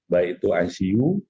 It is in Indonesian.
baik itu icu